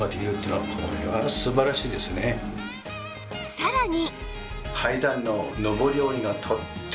さらに